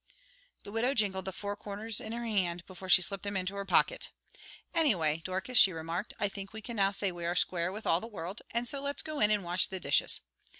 The widow jingled the four quarters in her hand before she slipped them into her pocket. "Anyway, Dorcas," she remarked, "I think we can now say we are square with all the world, and so let's go in and wash the dishes."